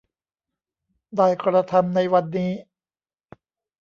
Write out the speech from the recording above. ได้กระทำในวันนี้